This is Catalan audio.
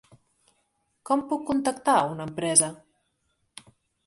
Com puc contactar a una empresa?